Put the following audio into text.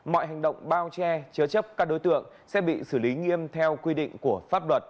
mọi hành động bao che chớ chấp các đối tượng sẽ bị xử lý nghiêm theo quy định